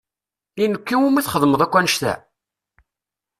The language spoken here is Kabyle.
I nekk i wumi txedmeḍ akk annect-a?